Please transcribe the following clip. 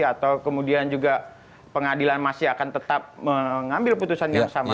atau kemudian juga pengadilan masih akan tetap mengambil putusan yang sama